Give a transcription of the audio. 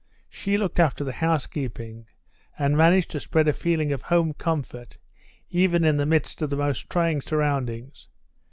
She looked after the housekeeping, and managed to spread a feeling of home comfort even in the midst of the most trying surroundings.